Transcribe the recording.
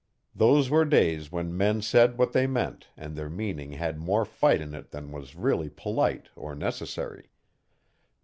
Those were days when men said what they meant and their meaning had more fight in it than was really polite or necessary.